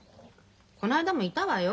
この間もいたわよ。